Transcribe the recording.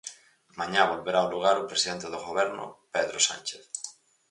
Mañá volverá ao lugar o presidente do Goberno, Pedro Sánchez.